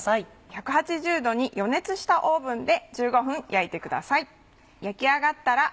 １８０℃に余熱したオーブンで１５分焼いてください。